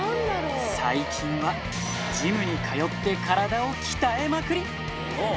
最近は、ジムに通って体を鍛えまくり。